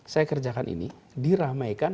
saya mengerjakan ini diramaikan